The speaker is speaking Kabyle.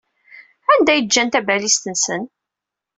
Anda ay ǧǧan tabalizt-nsen?